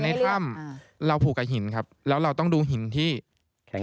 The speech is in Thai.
แล้วความเหนื่อยระเนี่ยมันจะมากกว่าเดินปกติตั้งเท่าไหร่